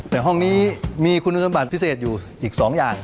แต่ห้องนี้มีคุณสมบัติพิเศษอยู่อีก๒อย่าง